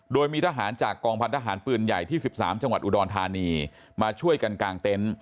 โดยมีทหารจากกองพันธหารปืนใหญ่ที่๑๓จังหวัดอุดรธานีมาช่วยกันกางเต็นต์